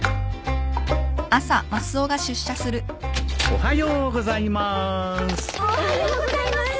おはようございます。